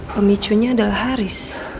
pemicunya adalah haris